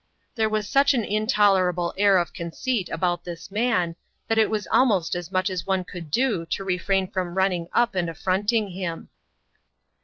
There was such an intolerable air of conceit about this man, that it was almost as much as one could do to refrain from running up and affronting him.